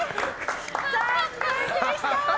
残念でした！